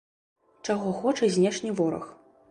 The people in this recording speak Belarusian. Чаго хоча знешні вораг?